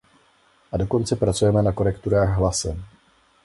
A dokonce pracujeme na korekturách hlasem.